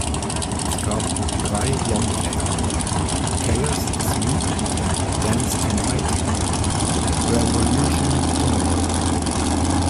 Es gab drei Longplayer: "Chaos is Me", "Dance Tonight, Revolution Tomorrow!